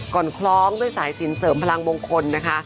คล้องด้วยสายสินเสริมพลังมงคลนะคะ